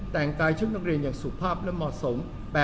แต่งกายชุดนักเรียนอย่างสุภาพและเหมาะสม